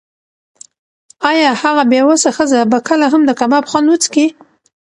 ایا هغه بې وسه ښځه به کله هم د کباب خوند وڅکي؟